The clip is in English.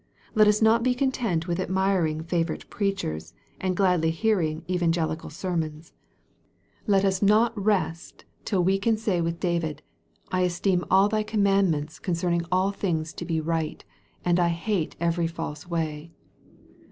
Let us not be content with admiring favorite preachers, and gladly hearing evangelical sermons. Let us not rest till MARK, CHAP. VI. 119 we can say with David, " I esteem all Thy command ments concerning all things to be rigjit, and I hate every false way."